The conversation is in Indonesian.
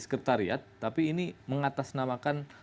sekretariat tapi ini mengatasnamakan